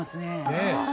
ねえ